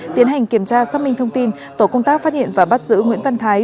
tiến hành kiểm tra xác minh thông tin tổ công tác phát hiện và bắt giữ nguyễn văn thái